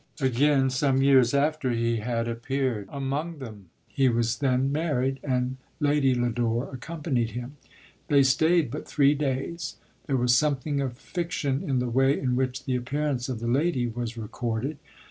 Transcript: Again, some years after, he had appeared amoi them. He was then married, and Lady Lodore accompanied him. They stayed but three daj There was something of fiction in the way in which the appearance of the lady was recorded.